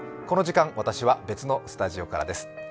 この時間、私は別のスタジオからです。